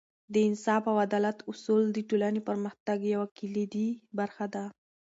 د انصاف او عدالت اصول د ټولنې پرمختګ یوه کلیدي برخه ده.